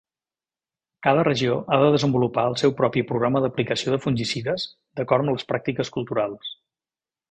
Cada regió ha de desenvolupar el seu propi programa d'aplicació de fungicides d'acord amb les pràctiques culturals.